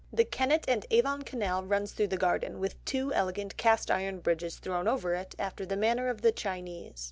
"The Kennet and Avon Canal runs through the garden, with two elegant cast iron bridges thrown over it, after the manner of the Chinese.